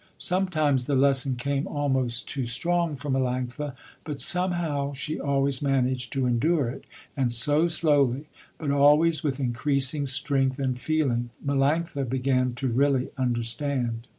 Sometimes the lesson came almost too strong for Melanctha, but somehow she always managed to endure it and so slowly, but always with increasing strength and feeling, Melanctha began to really understand.